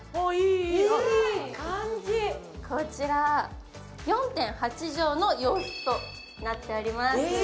こちら、４．８畳の洋室となっております。